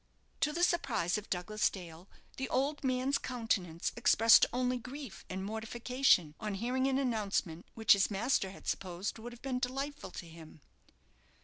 To the surprise of Douglas Dale, the old man's countenance expressed only grief and mortification on hearing an announcement which his master had supposed would have been delightful to him.